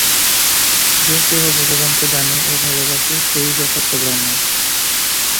যে-কেহ ভগবানকে জানে ও ভালবাসে, সে-ই যথার্থ ব্রাহ্মণ।